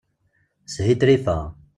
Shitrifeɣ.